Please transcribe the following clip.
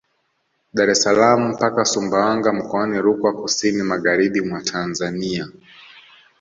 Dar es salaam mpaka Sumbawanga mkoani Rukwa kusini magharibi mwa Tanzania